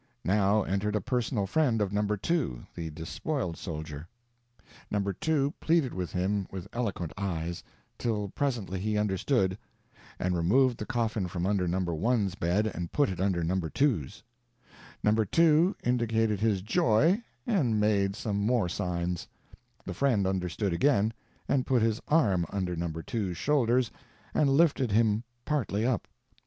Now entered a personal friend of No. 2, the despoiled soldier. No. 2 pleaded with him with eloquent eyes, till presently he understood, and removed the coffin from under No. 1's bed and put it under No. 2's. No. 2 indicated his joy, and made some more signs; the friend understood again, and put his arm under No. 2's shoulders and lifted him partly up.